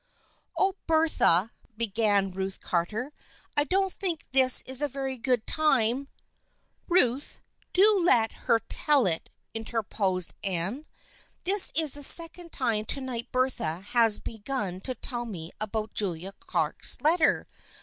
"Oh, Bertha," began Ruth Carter. "I don't think this is a very good time "" Ruth, do let her tell it," interposed Anne. " This is the second time to night Bertha has be gun to tell me about Julia Clark's letter.